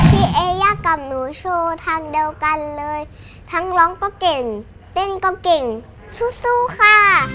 เอย่ากับหนูโชว์ทางเดียวกันเลยทั้งร้องก็เก่งเต้นก็เก่งสู้ค่ะ